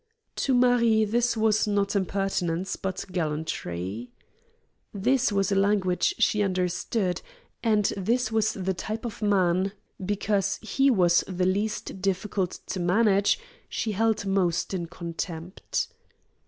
To Marie this was not impertinence, but gallantry. This was a language she understood, and this was the type of man, because he was the least difficult to manage, she held most in contempt.